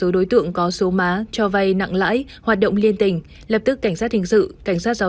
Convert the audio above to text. lực lượng có số má cho vay nặng lãi hoạt động liên tình lập tức cảnh sát hình sự cảnh sát giao